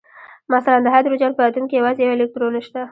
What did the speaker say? مثلاً د هایدروجن په اتوم کې یوازې یو الکترون شته